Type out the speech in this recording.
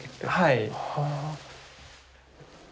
はい。